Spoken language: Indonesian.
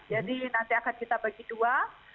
nanti akan kita bagi dua